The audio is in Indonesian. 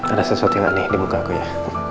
ada sesuatu yang aneh di muka aku ya